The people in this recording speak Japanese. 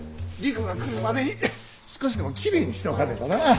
りくが来るまでに少しでもきれいにしておかねばな。